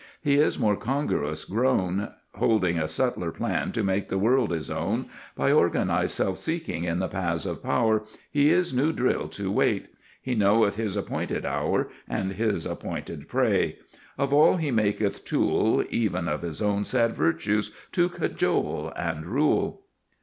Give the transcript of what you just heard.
He is more congruous grown; Holding a subtler plan to make the world his own By organized self seeking in the paths of power He is new drilled to wait. He knoweth his appointed hour And his appointed prey. Of all he maketh tool, Even of his own sad virtues, to cajole and rule.